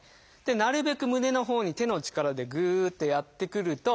なるべく胸のほうに手の力でぐってやってくると。